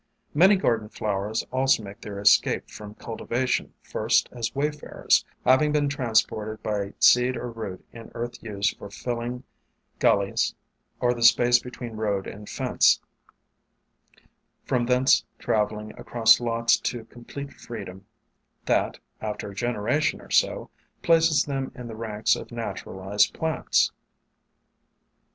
Many garden flowers also make their escape from cultivation first as wayfarers, having been trans ported by seed or root in earth used for filling gul lies or the space between road and fence, from thence travelling across lots to complete freedom WAYFARERS 275 that, after a generation or so, places them in the ranks of naturalized plants.